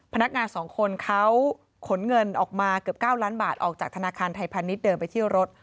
พนักงาน๒คนเขาขนเงินออกมาเกือบ๙ล้านบาทออกจากธนาคารไทยพาณิชยเดินไปที่รถ